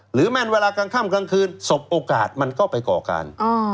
แม่นเวลากลางค่ำกลางคืนสบโอกาสมันก็ไปก่อการ